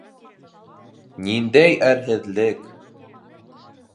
Ниндәй әрһеҙлек!